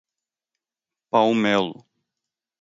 Palmelo